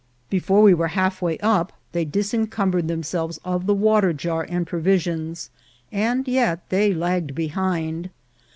Before we were half way up they disencumber ed themselves of the water jar and provisions, and yet they lagged behind.